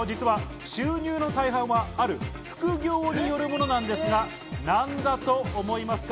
収入の大半はある副業によるものなんですが、何だと思いますか？